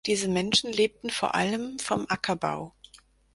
Diese Menschen lebten vor allem vom Ackerbau.